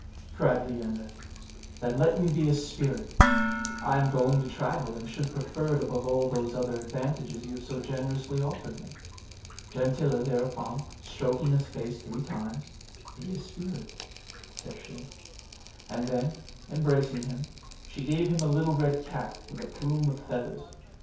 cried Leander, "then let me be a spirit; I am going to travel, and should prefer it above all those other advantages you have so generously offered me." Gentilla thereupon stroking his face three times, "Be a spirit," said she; and then, embracing him, she gave him a little red cap with a plume of feathers.